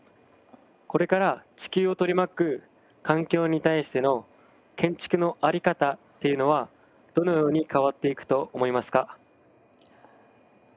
これから地球を取り巻く環境に対しての建築の在り方っていうのはどのように変わっていくと思いますか？